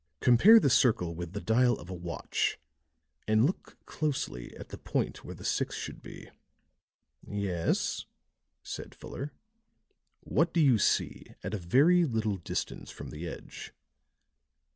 "Compare the circle with the dial of a watch and look closely at the point where the six should be." "Yes," said Fuller. "What do you see at a very little distance from the edge?"